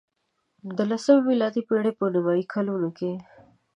د لسمې میلادي پېړۍ په نیمايي کلونو کې.